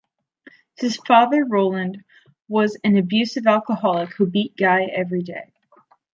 His father, Roland was an abusive alcoholic who beat Guy every day.